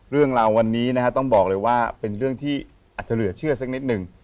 เรื่องราววันนี้นะฮะต้องบอกเลยว่าเป็นเรื่องที่อาจจะเหลือเชื่อสักนิดหนึ่ง